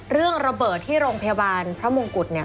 ระเบิดที่โรงพยาบาลพระมงกุฎเนี่ย